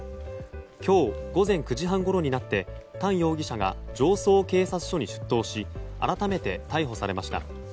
今日午前９時半ごろになってタン容疑者が常総警察署に出頭して改めて逮捕されました。